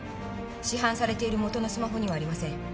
市販されている元のスマホにはありません